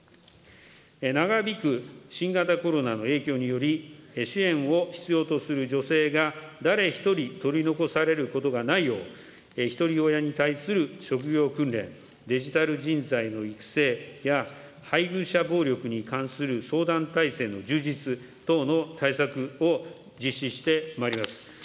長引く新型コロナの影響により、支援を必要とする女性が誰一人取り残されることがないよう、ひとり親に対する職業訓練、デジタル人材の育成や、配偶者暴力に関する相談体制の充実等の対策を実施してまいります。